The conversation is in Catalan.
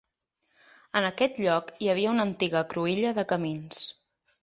En aquest lloc hi havia una antiga cruïlla de camins.